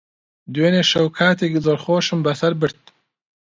دوێنێ شەو کاتێکی زۆر خۆشم بەسەر برد.